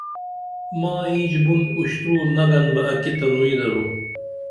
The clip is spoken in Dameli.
ماں اینچ بُن اُشتُرو نگن بہ اکی تنوئی درو